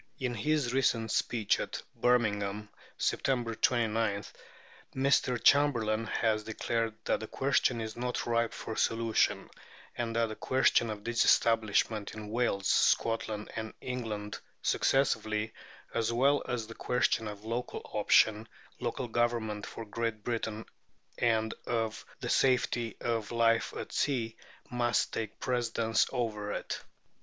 In his recent speech at Birmingham (Sept. 29), Mr. Chamberlain has declared that the question is not ripe for solution, and that the question of disestablishment, in Wales, Scotland, and England successively, as well as the questions of Local Option, local government for Great Britain, and of the safety of life at sea, must take precedence of it.